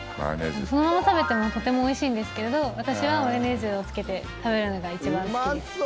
そのまま食べてもとてもおいしいんですけど私はマヨネーズをつけて食べるのが一番好きです。